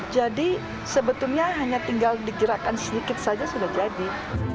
jadi sebetulnya hanya tinggal digerakkan sedikit saja sudah jadi